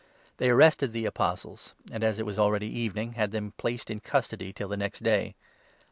They arrested the Apostles and, 3 as it was already evening, had them placed in custody till the next day.